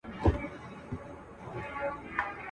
قرنطین دی لګېدلی د سرکار امر چلیږي.